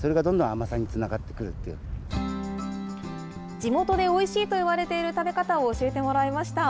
地元でおいしいといわれている食べ方を教えてもらいました。